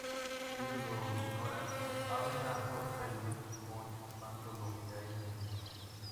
Ellos lo ignoran, abren la puerta y ven con espanto lo que hay adentro.